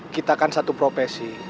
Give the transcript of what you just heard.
kita kan satu profesi